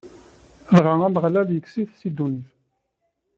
Dɣa Ameɣlal ikkes-it si ddunit.